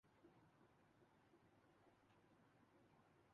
وہ فوجداری دفاعی کام میں پیشہور مہارت حاصل کرے گا